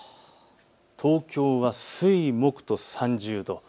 東京は水、木と３０度。